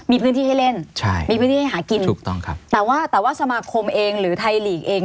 มีพื้นที่ให้เล่นมีพื้นที่ให้หากินแต่ว่าสมาคมเองหรือไทยลีกเอง